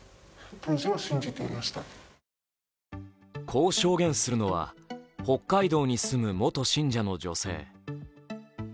こう証言するのは北海道に住む元信者の女性。